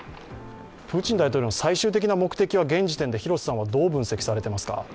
プーチン大統領の最終的な目的は現時点でどう分析されていますか。